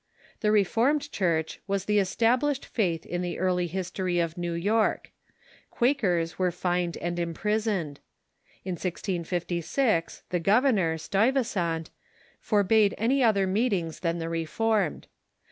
The Reformed Church was the established faith in the early history of New York. Quakers were fined and imprisoned. In 1656 the governor, Stuyvesant, forbade any other meetings than the Reformed.